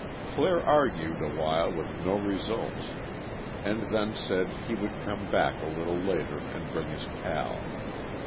Clare argued awhile with no results, and then said he would come back a little later and bring his pal.